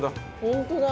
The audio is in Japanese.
本当だ。